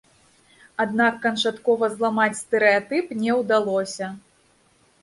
Аднак канчаткова зламаць стэрэатып не ўдалося.